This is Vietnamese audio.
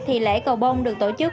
thì lễ cầu bông được tổ chức